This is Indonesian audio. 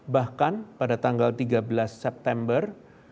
bahkan pada tanggal tiga belas september